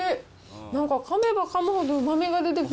なんか、かめばかむほどうまみが出てくる。